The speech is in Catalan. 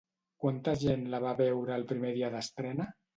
Quanta gent la va veure el primer dia d'estrena?